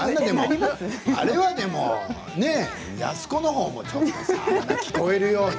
でも、あれは安子のほうもちょっと聞こえるように。